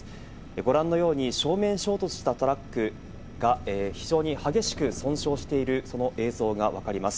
ご覧のように正面衝突したトラックが非常に激しく損傷している、その映像が分かります。